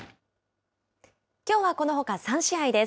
きょうはこのほか３試合です。